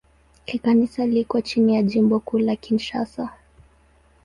Kikanisa liko chini ya Jimbo Kuu la Kinshasa.